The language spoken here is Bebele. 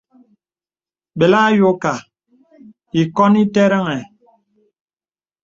Belà ayókā īkǒn ìtərəŋhə.